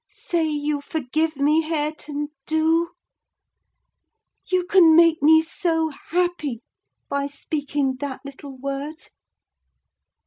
"Say you forgive me, Hareton, do. You can make me so happy by speaking that little word."